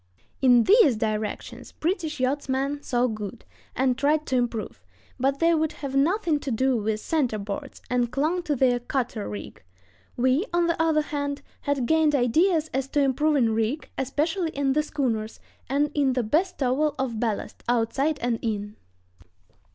In these directions British yachtsmen saw good, and tried to improve; but they would have nothing to do with center boards, and clung to their cutter rig. We, on the other hand, had gained ideas as to improving rig, especially in the schooners, and in the bestowal of ballast, outside and in.